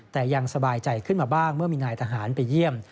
แต่ยังสบายใจขึ้นมาบ้างเมื่อมีนายทหารไปเยี่ยม